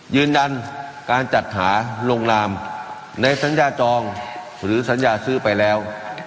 ยืนยันการจัดหาลงนามในสัญญาจองหรือสัญญาซื้อไปแล้ว